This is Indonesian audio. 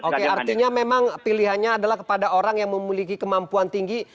oke artinya memang pilihannya adalah kepada orang yang memiliki kemampuan tinggi